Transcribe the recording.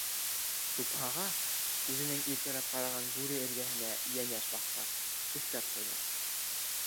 Тупһаға, үҙенә иркәләп ҡараған бүре эргәһенә, йәнәш баҫҡас, өҫтәп ҡуйҙы: